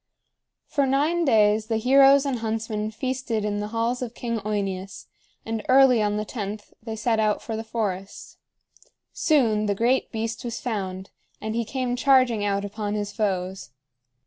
For nine days the heroes and huntsmen feasted in the halls of King OEneus, and early on the tenth they set out for the forest. Soon the great beast was found, and he came charging out upon his foes.